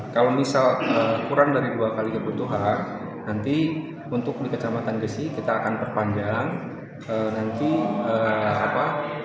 kalau misal kurang dari dua kali kebutuhan nanti untuk di kecamatan gesi kita akan perpanjang nanti apa